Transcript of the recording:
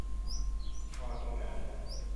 วางตรงไหน